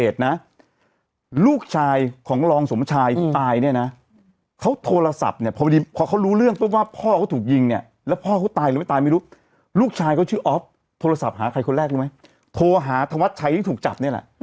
โทรศัพท์หาใครคนแรกรู้ไหมโทรหาธวัสด์ชัยที่ถูกจับเนี่ยแหละ